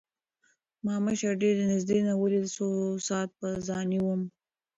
ما مشر ډېر د نزدې نه وليد څو ساعت پۀ ځائې ووم